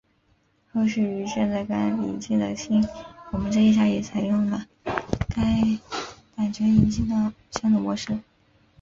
后续于现在刚引进的新我们这一家也采用了该版权引进的相同模式。